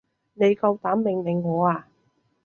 你夠膽命令我啊？